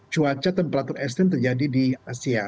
cuaca temperatur dan eksternal terjadi di asia